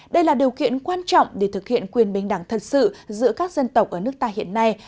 đây là điều kiện quan trọng để thực hiện quyền bình đẳng thật sự giữa các dân tộc ở nước ta hiện nay